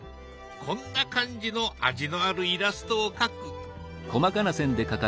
こんな感じの味のあるイラストを描く。